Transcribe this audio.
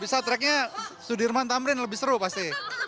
bisa tracknya sudirman tamrin lebih seru pasti